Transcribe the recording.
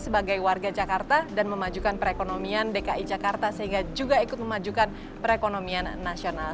sebagai warga jakarta dan memajukan perekonomian dki jakarta sehingga juga ikut memajukan perekonomian nasional